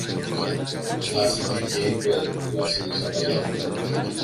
κλαύθηκε και είπε η Βασίλισσα Παλάβω.